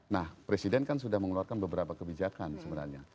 nah presiden kan sudah mengeluarkan beberapa kebijakan sebenarnya